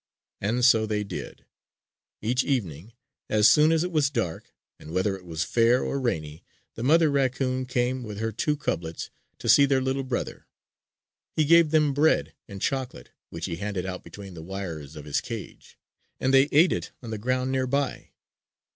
And so they did. Each evening, as soon as it was dark and whether it was fair or rainy, the mother raccoon came with her two cublets to see their little brother. He gave them bread and chocolate, which he handed out between the wires of his cage; and they ate it on the ground nearby.